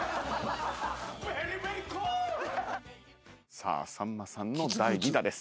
さあさんまさんの第２打です。